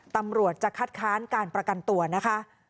ตำรวจจะคัดค้านการประกันตัวนะคะ